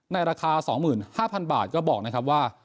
ในราคา๒๕๐๐๐บาทก็บอกนะครับว่า